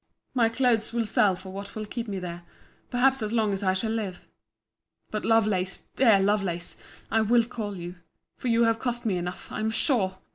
My clothes will sell for what will keep me there, perhaps as long as I shall live. But, Lovelace, dear Lovelace, I will call you; for you have cost me enough, I'm sure!